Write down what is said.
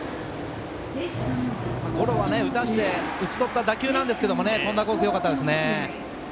ゴロは打たせて打ち取らせたボールなんですけど飛んだコースがよかったですね。